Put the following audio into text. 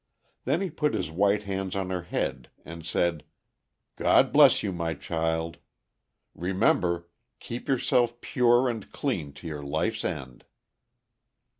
Then he put his white hands on her head, and said, "God bless you, my child! Remember, keep yourself pure and clean to your life's end."